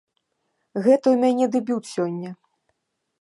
Гэта ў мяне дэбют сёння.